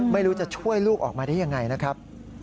ไม่รู้จะช่วยลูกออกมาได้ยังไงนะครับ